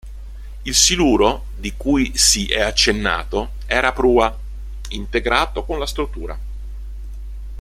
Il siluro, di cui si è accennato, era a prua, integrato con la struttura.